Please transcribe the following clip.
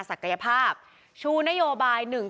คุณวราวุฒิศิลปะอาชาหัวหน้าภักดิ์ชาติไทยพัฒนา